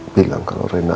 bilang kalau rina adalah